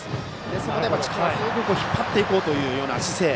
ですので力強く引っ張っていこうというような姿勢。